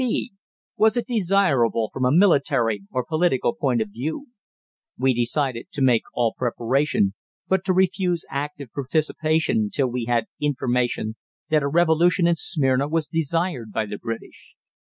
(b) Was it desirable from a military or political point of view? We decided to make all preparation, but to refuse active participation till we had information that a revolution in Smyrna was desired by the British.